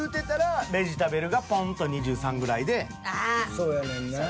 そうやねんなぁ。